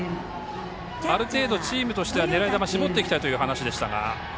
ある程度チームとしては狙い球を絞ってきたという話でしたが。